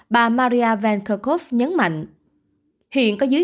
bà maria van kerkhove nhấn mạnh